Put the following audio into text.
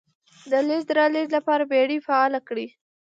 د لېږد رالېږد لپاره بېړۍ فعالې کړې.